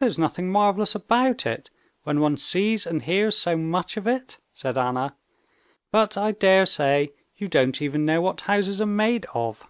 "There's nothing marvelous about it, when one sees and hears so much of it," said Anna. "But, I dare say, you don't even know what houses are made of?"